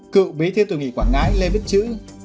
cựu bí thiêu tù nghỉ quảng ngãi lê vít chữ